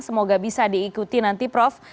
semoga bisa diikuti nanti prof